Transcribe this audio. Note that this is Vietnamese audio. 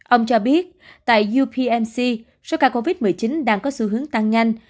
ông cho biết tại upmc số ca covid một mươi chín đang có xu hướng tăng nhanh